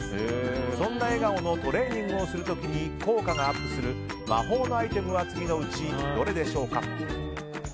そんな笑顔のトレーニングをする時に効果がアップする魔法のアイテムは次のうちどれでしょうか？